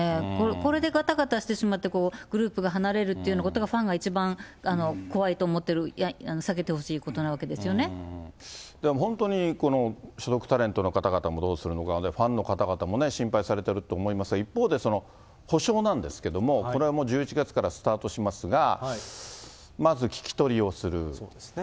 これでがたがたしてしまって、グループが離れてしまうというようなことがファンが一番怖いと思ってる、避けてほしいことなわけででも本当に、所属タレントの方々もどうするのか、ファンの方々も心配されてると思いますが、一方で、その補償なんですけども、これはもう、１１月からスタートしますが、まず聞き取りをする。